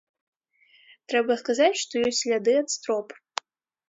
Трэба сказаць, што ёсць сляды ад строп.